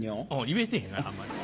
言えてへんがなあんまり。